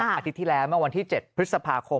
อาทิตย์ที่แล้วเมื่อวันที่๗พฤษภาคม